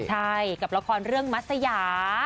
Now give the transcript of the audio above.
ใช่กับละครเรื่องมัศยา